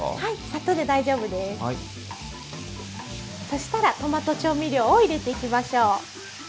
そしたらトマト調味料を入れていきましょう。